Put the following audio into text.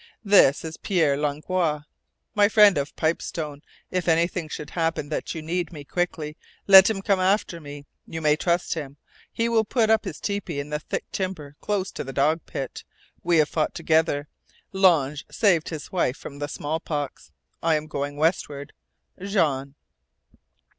This is Pierre Langlois, my friend of the Pipestone. If anything should happen that you need me quickly let him come after me. You may trust him. He will put up his tepee in the thick timber close to the dog pit. We have fought together. L'Ange saved his wife from the smallpox. I am going westward. JEAN.